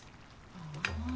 ああ。